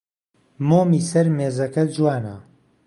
مۆمی سەر مێزەکە جوانە.